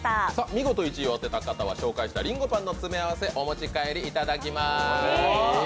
見事１位を当てた方はりんごパンの詰め合わせお持ち帰りいただきます。